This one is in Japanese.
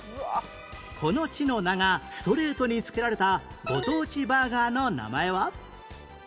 この地の名がストレートに付けられたご当地バーガーの名前は？